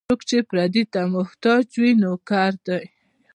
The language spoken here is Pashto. څوک چې پردي ته محتاج وي، نوکر دی.